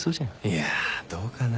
いやどうかな。